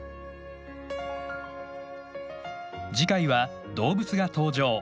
次回は動物が登場。